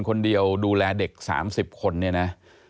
คนเดียวดูแลเด็กสามสิบคนนี้นะ